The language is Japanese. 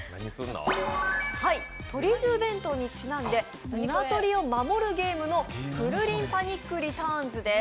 とり重弁当にちなんで鶏を守るゲームの「くるりんパニック・リターンズ！」です。